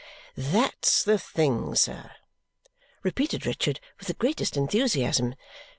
"That's the thing, sir," repeated Richard with the greatest enthusiasm.